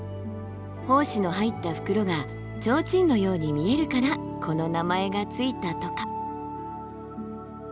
胞子の入った袋がちょうちんのように見えるからこの名前が付いたとか。